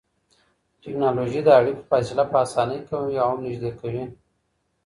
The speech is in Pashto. ټکنالوژي د اړيکو فاصله په اسانۍ کموي او هم نږدې کوي.